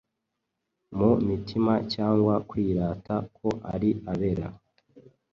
mu mitima cyangwa kwirata ko ari abera.